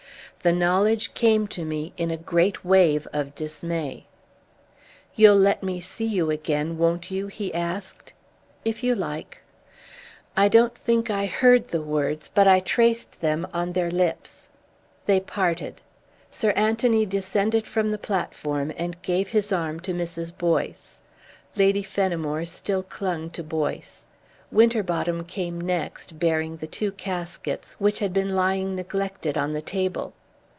The knowledge came to me in a great wave of dismay. "You'll let me see you again, won't you?" he asked. "If you like." I don't think I heard the words, but I traced them on their lips. They parted. Sir Anthony descended from the platform and gave his arm to Mrs. Boyce. Lady Fenimore still clung to Boyce. Winterbotham came next, bearing the two caskets, which had been lying neglected on the table.